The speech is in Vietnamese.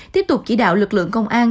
tiếp tục chỉ đạo lực lượng công an